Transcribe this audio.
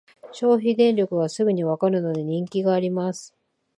消費電力がすぐにわかるので人気があります